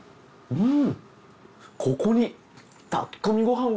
うん。